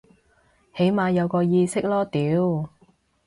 起碼有個意識囉屌